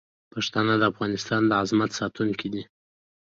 پښتانه د افغانستان د عظمت ساتونکي دي.